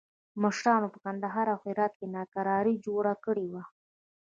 مشرانو په کندهار او هرات کې ناکراري جوړه کړې وه.